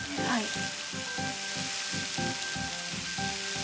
はい。